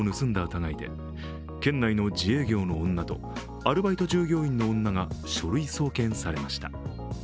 疑いで県内の自営業の女とアルバイト従業員の女が書類送検されました。